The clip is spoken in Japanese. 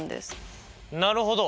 なるほど。